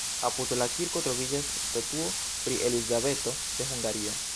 Apud la kirko troviĝas statuo pri Elizabeto de Hungario.